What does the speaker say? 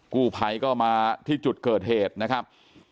กู้ภัยก็มาที่จุดเกิดเหตุนะครับ